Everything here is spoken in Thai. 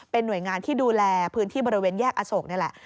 หน่วยงานที่ดูแลพื้นที่บริเวณแยกอโศกนี่แหละ